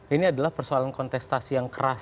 ini adalah persoalan kontestasi yang keras